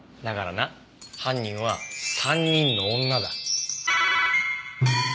だからな犯人は３人の女だ。